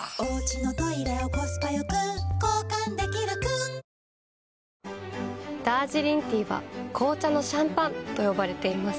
サントリーセサミンダージリンティーは紅茶のシャンパンと呼ばれています。